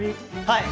はい！